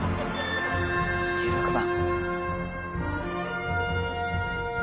「１６番」